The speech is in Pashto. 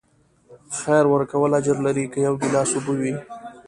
خیر ورکول اجر لري، که یو ګیلاس اوبه وي.